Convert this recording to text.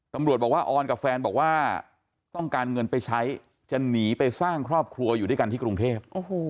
ตำรวจบอกว่าออนกับแฟนบอกว่าต้องการเงินไปใช้จะหนีไปสร้างครอบครัวอยู่ด้วยกันที่กรุงเทพ